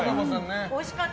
おいしかった。